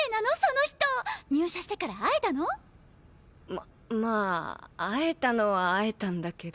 ままあ会えたのは会えたんだけど。